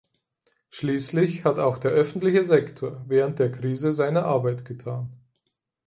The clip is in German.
Schließlich hat auch der öffentliche Sektor während der Krise seine Arbeit getan.